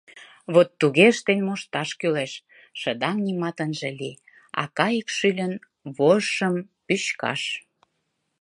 Вот туге ыштен мошташ кӱлеш: шыдаҥ нимат ынже лий, а кайык шӱльын вожшым пӱчкаш.